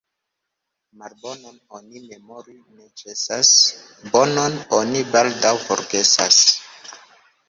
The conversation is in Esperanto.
Malbonon oni memori ne ĉesas, bonon oni baldaŭ forgesas.